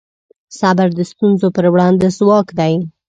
صبر د ستونزو پر وړاندې ځواک دی.